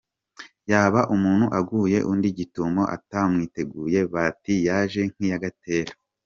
Yaba umuntu aguye undi gitumo atamwiteguye, bati “Yaje nk’iya Gatera!”.